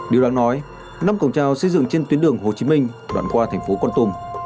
điều đáng nói năm cầu treo xây dựng trên tuyến đường hồ chí minh đoạn qua thành phố con tum